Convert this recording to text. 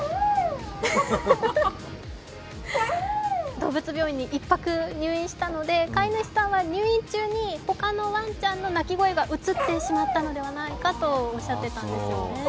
動物病院に１泊入院したので飼い主さんは入院何かほかのワンちゃんの鳴き声がうつってしまったのではないかとおっしゃっていましたね。